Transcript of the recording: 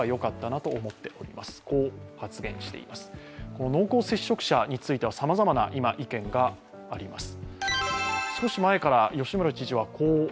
今、濃厚接触者についてはさまざまな意見があります。